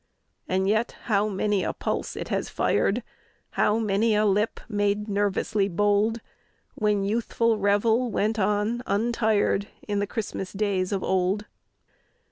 And yet how many a pulse it has fired, How many a lip made nervously bold, When youthful revel went on, untired, In the Christmas days of old!